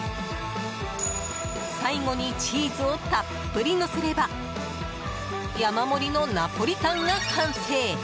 最後にチーズをたっぷりのせれば山盛りのナポリタンが完成。